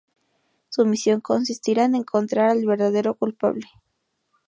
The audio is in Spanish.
Su misión consistirá en encontrar al verdadero culpable.